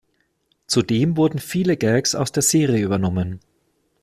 Zudem wurden viele Gags aus der Serie übernommen.